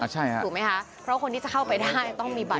เจ้งหน้าเจ้งหน้า